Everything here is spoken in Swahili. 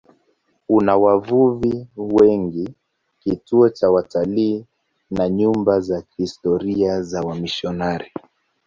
Una wavuvi wengi, kituo cha watalii na nyumba za kihistoria za wamisionari.